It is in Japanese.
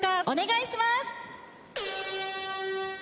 お願いします。